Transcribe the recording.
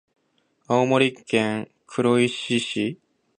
青森県黒石市